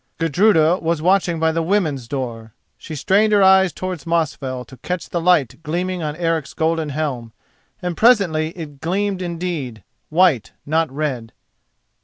Gudruda was watching by the women's door. She strained her eyes towards Mosfell to catch the light gleaming on Eric's golden helm, and presently it gleamed indeed, white not red.